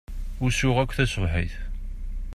Usuɣ akk taṣebḥit.